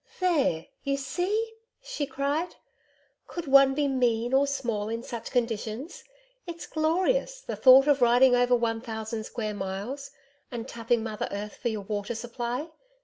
'There! You see!' she cried. 'COULD one be mean or small in such conditions? It's glorious, the thought of riding over one thousand square miles and tapping Mother Earth for your water supply!